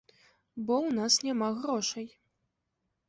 Бо ў нас няма грошай.